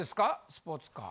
スポーツカー。